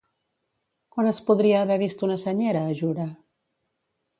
Quan es podria haver vist una senyera a Jura?